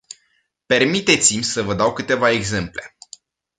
Permiteți-mi să vă dau câteva exemple.